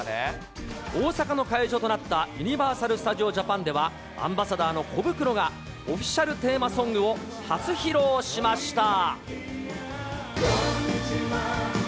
大阪の会場となったユニバーサル・スタジオ・ジャパンでは、アンバサダーのコブクロが、オフィシャルテーマソングを初披露しました。